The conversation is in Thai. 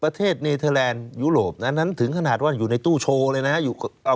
ประเทศเนเธอร์แลนด์ยุโรปนั้นถึงขนาดว่าอยู่ในตู้โชว์เลยนะ